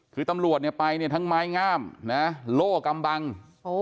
คือตำรวจเนี่ยไปเนี่ยทั้งไม้งามนะโล่กำบัง